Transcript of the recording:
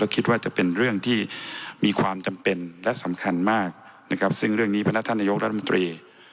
คิดว่าจะเป็นเรื่องที่มีความจำเป็นและสำคัญมากนะครับซึ่งเรื่องนี้พนักท่านนายกรัฐมนตรี